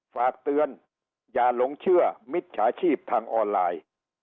ฝากเตือนอย่าหลงเชื่อมิจฉาชีพทางออนไลน์